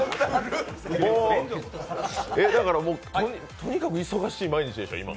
とにかく忙しい毎日でしょう、今。